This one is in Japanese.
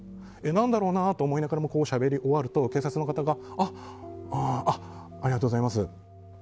何だろうなと思いながらしゃべり終わると警察の方があありがとうございますと。